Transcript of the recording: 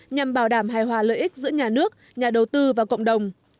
nhằm bảo đảm hài hòa lợi ích giữa nhà nước nhà đầu tư và cộng đồng